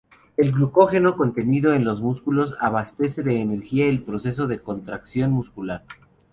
El glucógeno contenido en los músculos abastece de energía el proceso de contracción muscular.